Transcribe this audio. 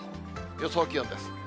予想気温です。